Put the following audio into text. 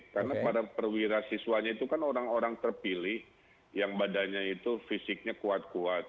karena para perwira siswanya itu kan orang orang terpilih yang badannya itu fisiknya kuat kuat